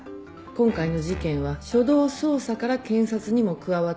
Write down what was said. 今回の事件は初動捜査から検察にも加わってほしいって。